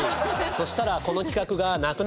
そしたら。